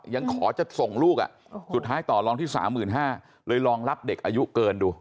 ยังขอจะส่งลูกอ่ะสุดท้ายต่อลองที่สามหมื่นห้าเลยลองรับเด็กอายุเกินดู